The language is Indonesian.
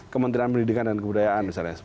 kementerian pendidikan dan kebudayaan misalnya